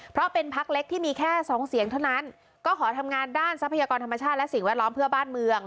เพราะเป็นพักเล็กที่มีแค่สองเสียงเท่านั้นก็ขอทำงานด้านทรัพยากรธรรมชาติและสิ่งแวดล้อมเพื่อบ้านเมือง